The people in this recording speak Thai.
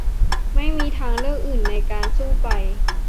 ไม่มีทางเลือกอื่นในการสู้ไป